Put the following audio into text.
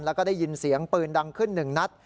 แล้วก็ได้ยินเสียงปืนดังขึ้นหนึ่งนัด